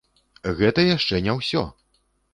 Гэта яшчэ не ўсё!